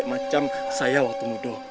macam saya waktu muda